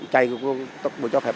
chạy tốc độ cho phép bảy mươi